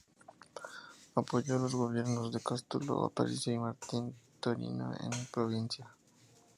Apoyó los gobiernos de Cástulo Aparicio y Martín Torino en su provincia.